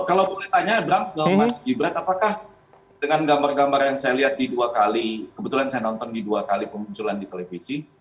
kalau boleh tanya bram ke mas gibran apakah dengan gambar gambar yang saya lihat di dua kali kebetulan saya nonton di dua kali pemunculan di televisi